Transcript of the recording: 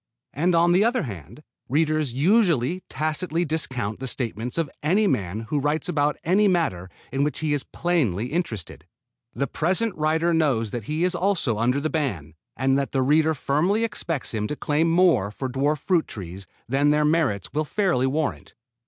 And on the other hand, readers usually tacitly discount the statements of any man who writes about any matter in which he is plainly interested. The present writer knows that he is also under the ban, and that the reader firmly expects him to claim more for dwarf fruit trees than their merits will fairly warrant.